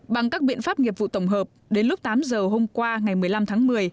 bằng các biện pháp nghiệp vụ tổng hợp đến lúc tám giờ hôm qua ngày một mươi năm tháng một mươi